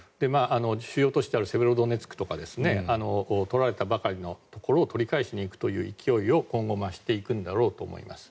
主要都市であるセベロドネツクとか取られたばかりのところを取り返しに行くという勢いを今後増していくんだと思います。